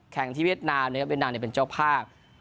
แข่งที่เวียดนามนะครับเวียดนามเป็นเจ้าภาพ